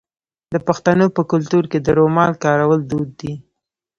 د پښتنو په کلتور کې د رومال کارول دود دی.